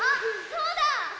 そうだ！